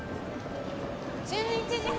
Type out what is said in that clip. １１時発